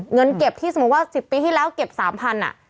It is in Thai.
เงินเก็บที่สมมุติว่า๑๐ปีที่แล้วเก็บ๓๐๐บาท